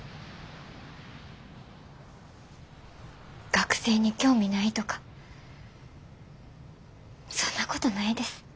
学生に興味ないとかそんなことないです。